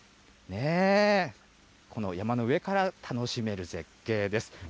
この山の上から楽しめる絶景です。